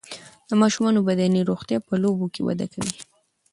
د ماشومانو بدني روغتیا په لوبو کې وده کوي.